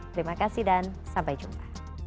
terima kasih dan sampai jumpa